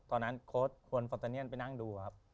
ตอนนั้นโค้ชฟอนตอเนียนไปนั่งดูครับ